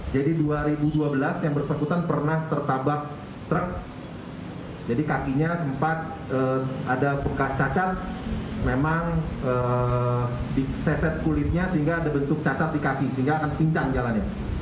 jadi dua ribu dua belas yang bersangkutan pernah tertabak terk jadi kakinya sempat ada bekas cacat memang diseset kulitnya sehingga ada bentuk cacat di kaki sehingga akan pincan jalannya